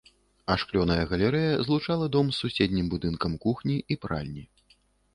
Ашклёная галерэя злучала дом з суседнім будынкам кухні і пральні.